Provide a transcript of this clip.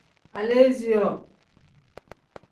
Aleesiyoo.